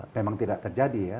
memang tidak terjadi ya